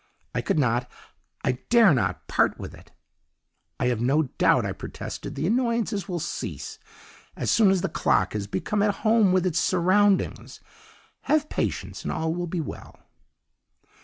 I could not, I dare not part with it. 'I have no doubt,' I protested, 'the annoyances will cease as soon as the clock has become at home with its surroundings. Have patience and all will be well.